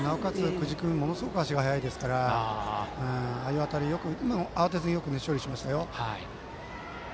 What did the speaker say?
久慈君はものすごく足が速いですから今も慌てずに処理しましたよ。